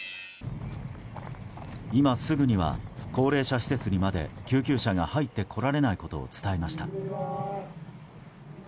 今すぐには高齢者施設にまで救急車が入ってこられないことを伝えました。